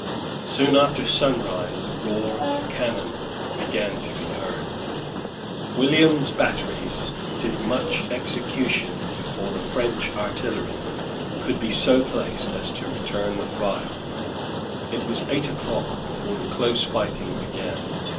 Soon after sunrise the roar of cannon began to be heard. William's batteries did much execution before the French artillery could be so placed as to return the fire. It was eight o'clock before the close fighting began.